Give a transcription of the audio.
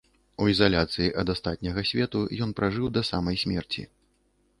У ізаляцыі ад астатняга свету ён пражыў да самай смерці.